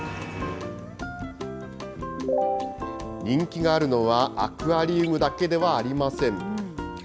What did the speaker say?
人気があるのは、アクアリウムだけではありません。